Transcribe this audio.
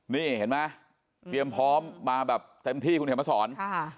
นี่เห็นไหมเตรียมพร้อมมาแบบเต็มที่คุณเห็นมาสอน